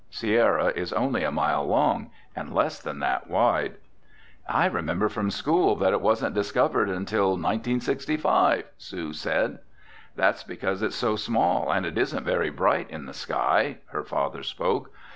Sierra is only a mile long and less than that wide." "I remember from school that it wasn't discovered until 1965," Sue said. "That's because it's so small and isn't very bright in the sky," her father spoke.